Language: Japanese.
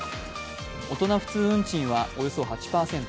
大人普通運賃はおよそ８％